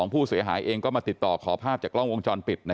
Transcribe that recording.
เพราะว่ามันก็ไม่ได้ทำอะไรเสียหายเลยนะ